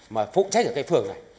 mà phụ trách ở cái phường này